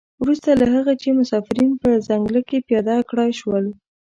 وروسته له هغه چې مسافرین په ځنګله کې پیاده کړای شول.